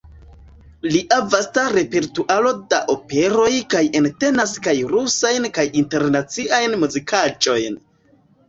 Lia vasta repertuaro da operoj kaj entenas kaj rusajn kaj internaciajn muzikaĵojn.